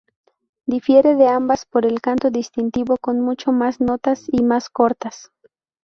Difiere de ambas por el canto distintivo, con mucho más notas y más cortas.